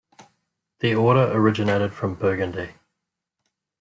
The order originated from Burgundy.